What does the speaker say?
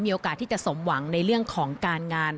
มีโอกาสที่จะสมหวังในเรื่องของการงาน